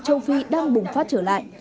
châu phi đang bùng phát trở lại